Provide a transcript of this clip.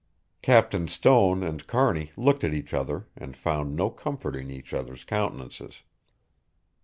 Captain Stone and Kearney looked at each other and found no comfort in each other's countenances.